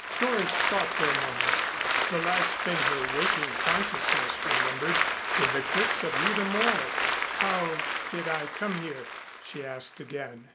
Doris thought for a moment. The last thing her waking consciousness remembered were the cliffs of Rhuda Mor. "How did I come here?" she asked again.